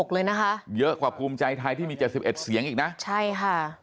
เลยนะคะเยอะกว่าภูมิใจไทยที่มี๗๑เสียงอีกนะใช่ค่ะ